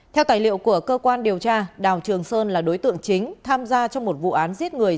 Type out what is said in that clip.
theo tài liệu của cơ quan điều tra đào trường sơn là đối tượng chính tham gia trong một vụ án giết người